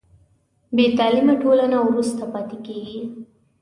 بې تعلیمه ټولنه وروسته پاتې کېږي.